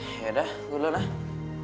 ya udah gue liat lah